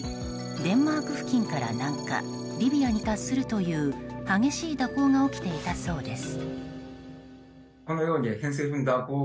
デンマーク付近から南下リビアに達するという激しい蛇行が起きていたそうです。